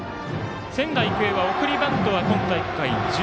仙台育英は送りバントは今大会１０。